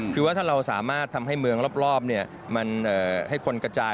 คือว่าถ้าเราสามารถทำให้เมืองรอบมันให้คนกระจาย